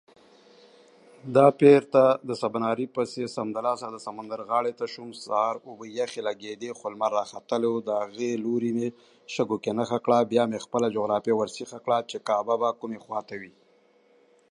Then she returned to the second season to reprise her role.